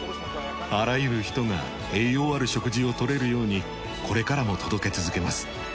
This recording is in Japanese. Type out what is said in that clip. あらゆる人が栄養ある食事を取れるようにこれからも届け続けます。